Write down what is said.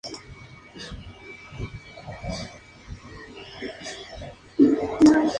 Hay una pausa de varias horas antes de su establecimiento.